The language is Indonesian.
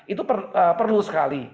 itu perlu sekali